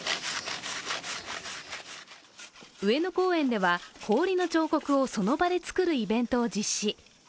上野公園では氷の彫刻をその場で作るイベントが実施。